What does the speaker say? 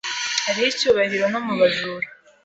Hariho icyubahiro no mu bajura.